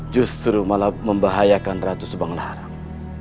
justru malah membahayakan ratu subanglarang